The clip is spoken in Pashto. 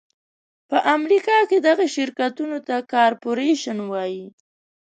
په امریکا کې دغو شرکتونو ته کارپورېشن وایي.